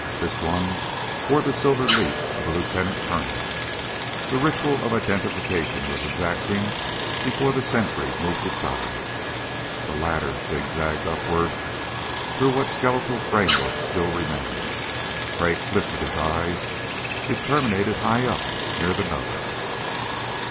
This one wore the silver leaf of a lieutenant colonel! The ritual of identification was exacting before the sentry moved aside. A ladder zigzagged upward through what skeletal framework still remained. Crag lifted his eyes. It terminated high up, near the nose.